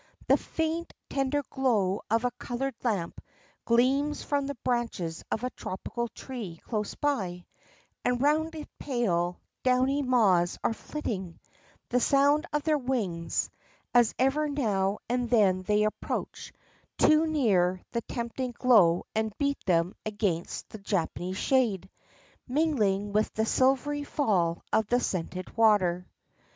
The faint, tender glow of a colored lamp gleams from the branches of a tropical tree close by, and round it pale, downy moths are flitting, the sound of their wings, as every now and then they approach too near the tempting glow and beat them against the Japanese shade, mingling with the silvery fall of the scented water.